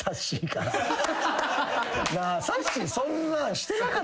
さっしーそんなんしてなかったよ。